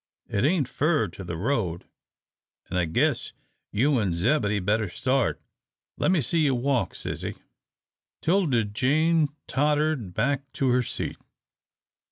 It ain't fur to the road, an' I guess you an' Zebedee better start. Lemme see you walk, sissy." 'Tilda Jane tottered back to her seat.